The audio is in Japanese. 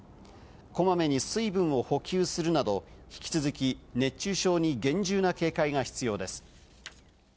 こまめに水分を補給するなど、引き続き、熱中症に厳重な警戒が必要です。